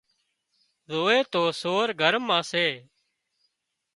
زووي تو سور گھر مان سي